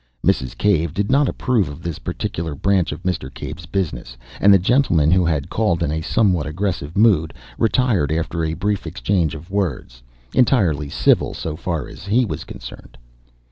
Mrs. Cave did not approve of this particular branch of Mr. Cave's business, and the gentleman, who had called in a somewhat aggressive mood, retired after a brief exchange of words entirely civil so far as he was concerned.